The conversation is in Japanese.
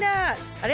あれ？